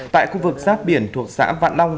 tại khu vực giáp biển thuộc xã vạn long